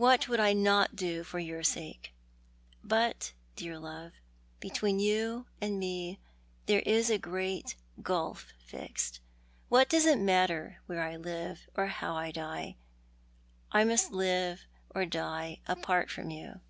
\\'hat would I not do for your sake? But, dear love, between you and me there is a great gulf fixed. What does it matter where I live, or how 1 die ? I must live or die apart from you."